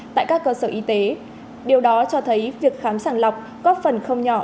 tại các cơ sở y tế điều đó cho thấy việc khám sàng lọc góp phần không nhỏ